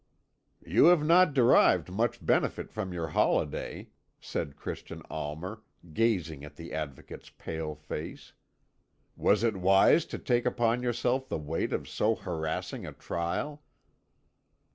"You have not derived much benefit from your holiday," said Christian Almer, gazing at the Advocate's pale face. "Was it wise to take upon yourself the weight of so harassing a trial?"